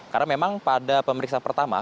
karena memang pada pemeriksaan pertama